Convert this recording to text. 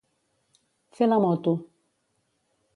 Fer la moto.